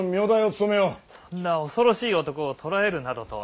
そんな恐ろしい男を捕らえるなどとは。